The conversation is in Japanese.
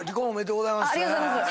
ありがとうございます。